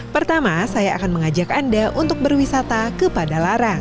pertama saya akan mengajak anda untuk berwisata ke padalarang